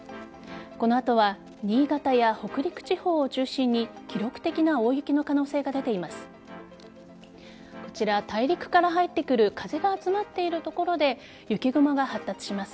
この後は新潟や北陸地方を中心に記録的な大雪の可能性が出ています。